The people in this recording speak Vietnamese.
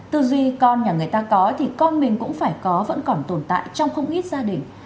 tư duy con nhà người ta có thì con mình cũng phải có vẫn còn tồn tại trong không ít gia đình